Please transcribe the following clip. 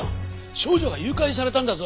少女が誘拐されたんだぞ！